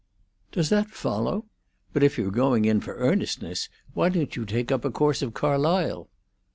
"Does that follow? But if you're going in for earnestness, why don't you take up a course of Carlyle?"